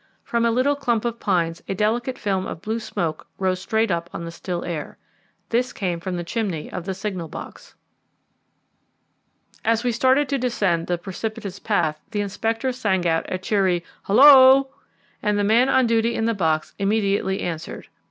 From a little clump of pines a delicate film of blue smoke rose straight up on the still air. This came from the chimney of the signal box. As we started to descend the precipitous path the Inspector sang out a cheery "Hullo!" The man on duty in the box immediately answered.